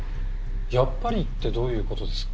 「やっぱり」ってどういう事ですか？